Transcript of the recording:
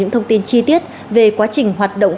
thông tin chi tiết về quá trình hoạt động